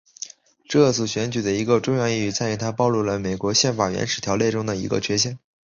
这次选举的一个重要意义在于它暴露了美国宪法原始条文中的一个缺陷。